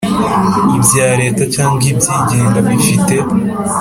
Ibya leta cyangwa ibyigenga bifite